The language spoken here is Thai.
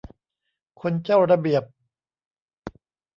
คนเจ้าระเบียบ